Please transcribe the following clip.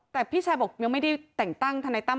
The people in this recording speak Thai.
แต่พี่ชายบอกยังไม่ได้แต่งตั้งทนายตั้ม